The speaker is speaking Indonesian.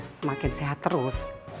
semakin sehat terus